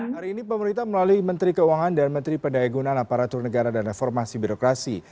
hari ini pemerintah melalui menteri keuangan dan menteri pendaya gunaan aparatur negara dan reformasi birokrasi